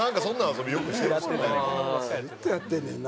ずっとやってんねな